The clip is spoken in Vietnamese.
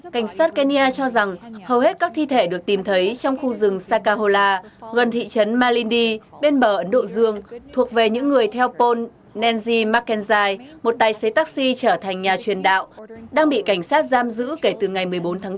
cảnh sát kenya cho rằng hầu hết các thi thể được tìm thấy trong khu rừng sakahola gần thị trấn malindi bên bờ ấn độ dương thuộc về những người theo pol nenzy mccainzai một tài xế taxi trở thành nhà truyền đạo đang bị cảnh sát giam giữ kể từ ngày một mươi bốn tháng bốn